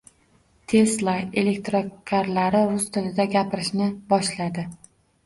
Tesla elektrokarlari rus tilida “gapirishni” boshladi